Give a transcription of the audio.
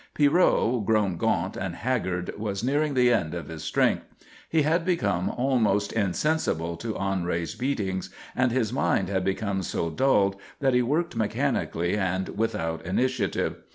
Pierrot, grown gaunt and haggard, was nearing the end of his strength. He had become almost insensible to Andre's beatings, and his mind had become so dulled that he worked mechanically and without initiative.